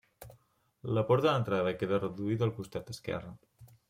La porta d'entrada queda reduïda al costat esquerre.